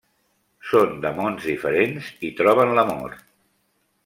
Són de mons diferents i troben l'amor.